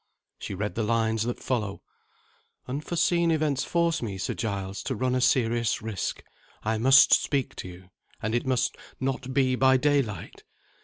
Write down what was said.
She read the lines that follow: "Unforeseen events force me, Sir Giles, to run a serious risk. I must speak to you, and it must not be by daylight.